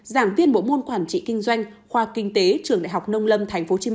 giảng viên bộ môn quản trị kinh doanh khoa kinh tế trường đại học nông lâm tp hcm